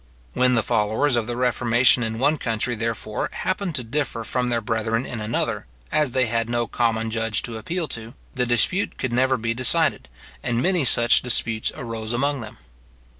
When the followers of the reformation in one country, therefore, happened to differ from their brethren in another, as they had no common judge to appeal to, the dispute could never be decided; and many such disputes arose among them.